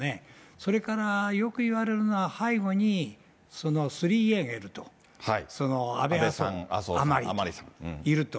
それからよくいわれるのは、背後に３Ａがいると、安倍、麻生、甘利がいると。